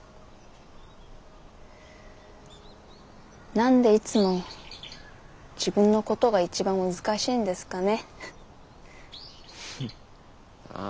何でいつも自分のことが一番難しいんですかね。